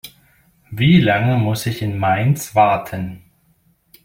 Wie lange muss ich in Mainz warten?